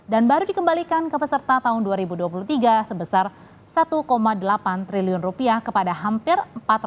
dan baru dikembalikan ke peserta tahun dua ribu dua puluh tiga sebesar satu delapan triliun rupiah kepada hampir empat ratus empat puluh